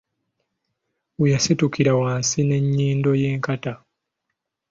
We yasitukira wansi ng’ennyindo y’enkata.